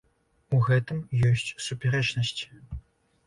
У гэтым ёсць супярэчнасць.